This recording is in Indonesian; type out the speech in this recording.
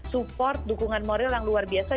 support dukungan moral yang luar biasa